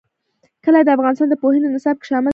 کلي د افغانستان د پوهنې نصاب کې شامل دي.